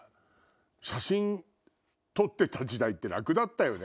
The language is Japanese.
写真撮ってた時代って楽だったよね。